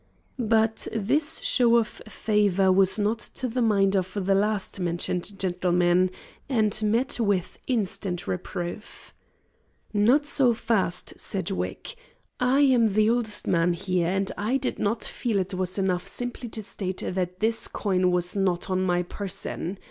But this show of favour was not to the mind of the last mentioned gentleman, and met with instant reproof. "Not so fast, Sedgwick. I am the oldest man here and I did not feel it was enough simply to state that this coin was not on my person.